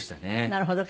なるほど。